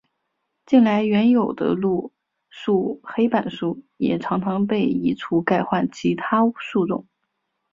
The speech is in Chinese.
近来原有的路树黑板树也常常被移除改换其他树种。